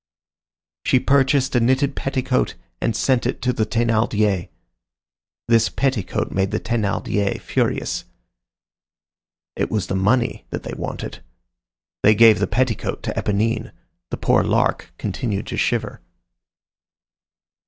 She purchased a knitted petticoat and sent it to the Thénardiers. This petticoat made the Thénardiers furious. It was the money that they wanted. They gave the petticoat to Éponine. The poor Lark continued to shiver.